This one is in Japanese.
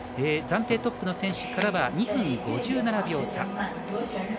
暫定トップの選手からは２分５７秒差。